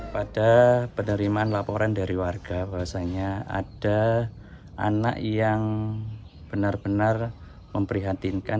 pada penerimaan laporan dari warga bahwasannya ada anak yang benar benar memprihatinkan